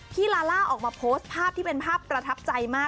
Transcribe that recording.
ลาล่าออกมาโพสต์ภาพที่เป็นภาพประทับใจมาก